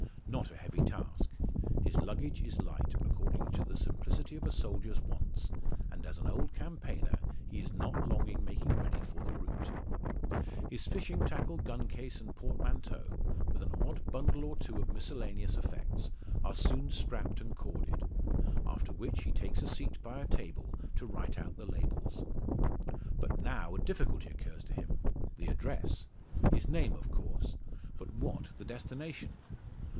Not a heavy task. His luggage is light, according to the simplicity of a soldier's wants; and as an old campaigner he is not long in making ready for the route. His fishing tackle, gun case and portmanteau, with an odd bundle or two of miscellaneous effects, are soon strapped and corded. After which he takes a seat by a table to write out the labels. But now a difficulty occurs to him the address! His name of course, but what the destination?